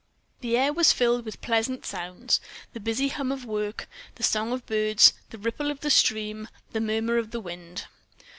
The air was filled with pleasant sounds the busy hum of work, the song of birds, the ripple of the stream, the murmur of the wind.